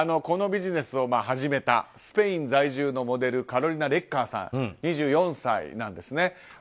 このビジネスを始めたスペイン在住のモデルカロリナ・レッカーさん２４歳なんですね。